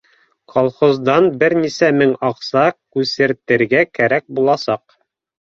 Колхоздан бер нисә мең аҡса күсертергә кәрәк буласаҡ